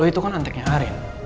itu kan anteknya arin